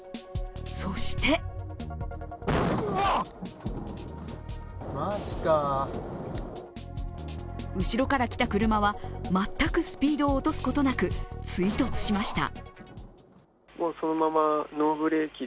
そして後ろから来た車は全くスピードを落とすことなく追突しました。